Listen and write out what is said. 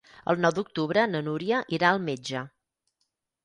El nou d'octubre na Núria irà al metge.